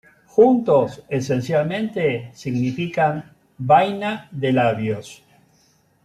Juntos esencialmente significan "vaina de labios".